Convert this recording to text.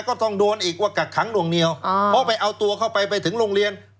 ก็ต้องโดนอีกว่ากักขังหน่วงเหนียวเพราะไปเอาตัวเข้าไปไปถึงโรงเรียน